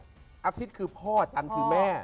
อาทิตย์คือพ่อจันทร์คือแม่